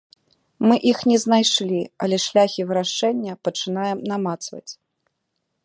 Мы іх не знайшлі, але шляхі вырашэння пачынаем намацваць.